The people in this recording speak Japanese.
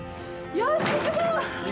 よし、行くぞ！